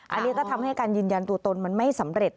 อันนี้ก็ทำให้การยืนยันตัวตนมันไม่สำเร็จ